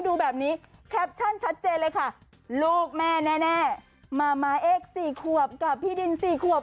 ดูแบบนี้แคปชั่นชัดเจนเลยค่ะลูกแม่แน่มาม้าเอก๔ขวบกับพี่ดิน๔ขวบ